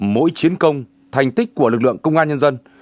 mỗi chiến công thành tích của lực lượng công an nhân dân